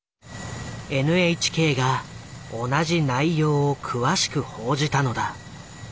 ＮＨＫが同じ内容を詳しく報じたのだ。